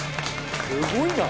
すごいな！